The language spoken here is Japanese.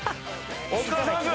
お疲れさまです！